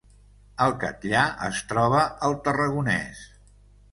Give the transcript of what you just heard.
El Catllar es troba al Tarragonès